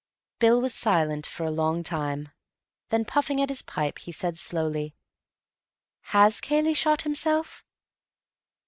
Bill was silent for a long time. Then, puffing at his pipe, he said slowly, "Has Cayley shot himself?"